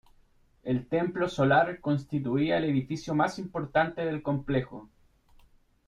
El templo solar constituía el edificio más importante del complejo.